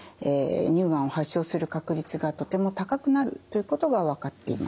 乳がんを発症する確率がとても高くなるということが分かっています。